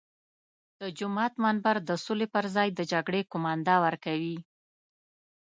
د جومات منبر د سولې پر ځای د جګړې قومانده ورکوي.